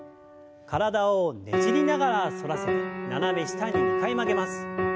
体をねじりながら反らせて斜め下に２回曲げます。